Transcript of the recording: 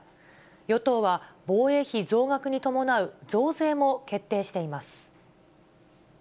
与党は、防衛費増額に伴う増税も決定しています。